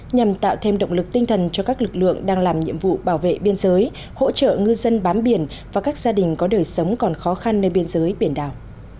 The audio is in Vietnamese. nhằm tạo thêm động lực tinh thần cho các lực lượng đang làm nhiệm vụ bảo vệ biên giới hỗ trợ ngư dân bám biển và các gia đình có đời sống còn khó khăn nơi biên giới biển đảo